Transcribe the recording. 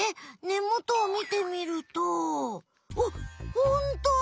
根もとをみてみるとあっほんとう！